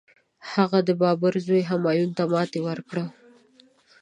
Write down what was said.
هغه د بابر زوی همایون ته ماتي ورکړه.